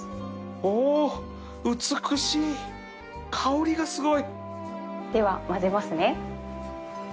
おお美しい香りがすごい！では混ぜますね。